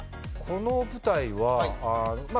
この舞台はまあ